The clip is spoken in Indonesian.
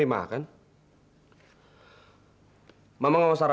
dia baru kembali sama ibu warga